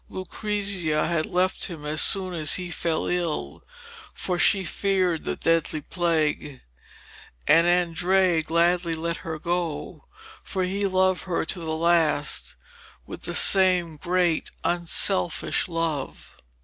Lucrezia had left him as soon as he fell ill, for she feared the deadly plague, and Andrea gladly let her go, for he loved her to the last with the same great unselfish love.